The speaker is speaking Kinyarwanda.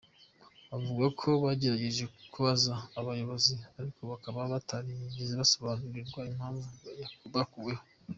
Avuga ko bagerageje kubaza abayobozi ariko bakaba batarigeze basobanurirwa impamvu bakuweho.